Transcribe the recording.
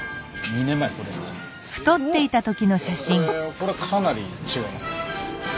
これかなり違いますね。